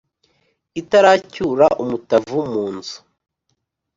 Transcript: Itaracyura umutavu mu nzu,